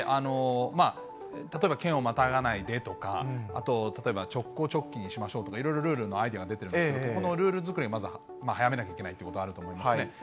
例えば県をまたがないでとか、あと例えば直行直帰にしましょうとか、いろいろルールのアイデアが出ているんですけれども、このルール作りもまず早めなければならないということがあると思いますね。